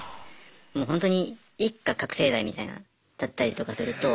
もうほんとに一家覚醒剤みたいなだったりとかすると。